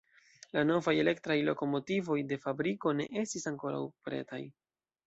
La novaj elektraj lokomotivoj de fabriko ne estis ankoraŭ pretaj.